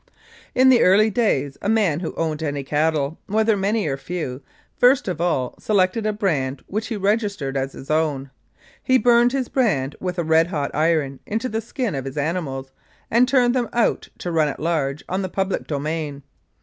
In the early days a man who owned any cattle, whether many or few, first of all selected a brand, which he registered as his own. He burned his brand with a red hot iron into the skin of his animals and turned them out to run at large on the public domain.